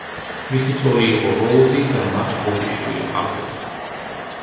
მის ცოლი იყო როუზი და მათ ორი შვილი ჰყავდათ.